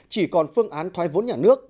chỉ còn phương án thoái vốn nhà nước